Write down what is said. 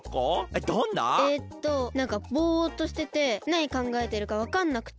えっとなんかぼっとしててなにかんがえてるかわかんなくて。